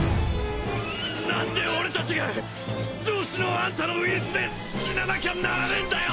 何で俺たちが上司のあんたのウイルスで死ななきゃならねえんだよ！